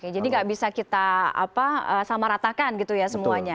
jadi tidak bisa kita samaratakan gitu ya semuanya